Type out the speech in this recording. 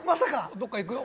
どっか行くよ。